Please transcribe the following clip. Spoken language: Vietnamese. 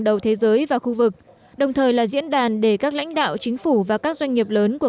đầu thế giới và khu vực đồng thời là diễn đàn để các lãnh đạo chính phủ và các doanh nghiệp lớn của